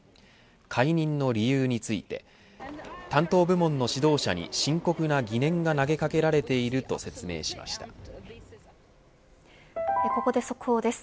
解任の理由について担当部門の指導者に深刻な疑念が投げかけられているとここで速報です。